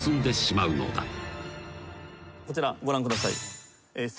こちらご覧ください。